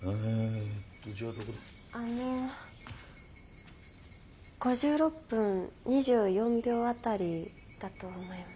あの５６分２４秒辺りだと思います。